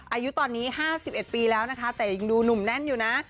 อายุตอนนี้๕๑ปีแล้วนะคะแต่ยังดูหนุ่มแน่นอยู่นะ